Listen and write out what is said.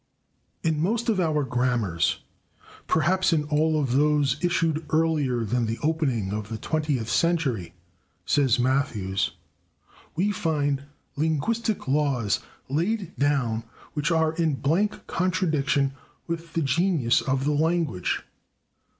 "In most of our grammars, perhaps in all of those issued earlier than the opening of the twentieth century," says Matthews, "we find linguistic laws laid down which are in blank contradiction with the genius of the language."